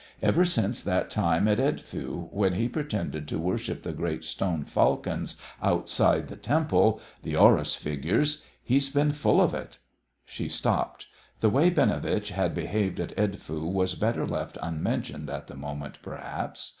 Ever since that time at Edfu, when he pretended to worship the great stone falcons outside the temple the Horus figures he's been full of it." She stopped. The way Binovitch had behaved at Edfu was better left unmentioned at the moment, perhaps.